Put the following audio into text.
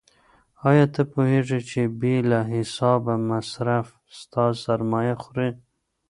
آیا ته پوهېږې چې بې له حسابه مصرف ستا سرمایه خوري؟